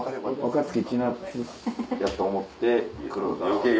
若槻千夏やと思って黒田を。